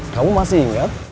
kamu masih ingat